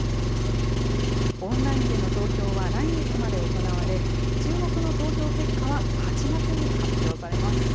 オンラインでの投票は来月まで行われ、注目の投票結果は８月に発表されます。